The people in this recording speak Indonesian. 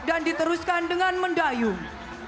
dan diteruskan dengan mendayung